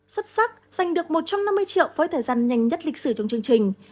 xuất sắc giành được một trăm năm mươi triệu với thời gian nhanh nhất lịch sử trong chương trình